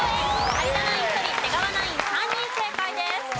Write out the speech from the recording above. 有田ナイン１人出川ナイン３人正解です。